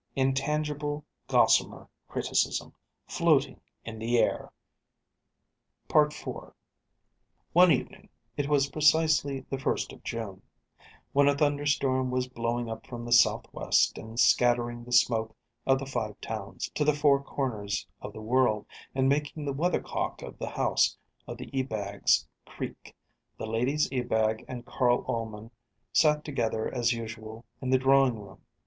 Intangible gossamer criticism, floating in the air! IV One evening it was precisely the first of June when a thunderstorm was blowing up from the south west, and scattering the smoke of the Five Towns to the four corners of the world, and making the weathercock of the house of the Ebags creak, the ladies Ebag and Carl Ullman sat together as usual in the drawing room.